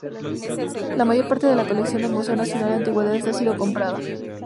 La mayor parte de la colección del Museo Nacional de Antigüedades ha sido comprada.